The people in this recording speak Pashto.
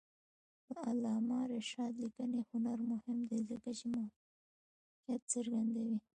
د علامه رشاد لیکنی هنر مهم دی ځکه چې موقعیت څرګندوي.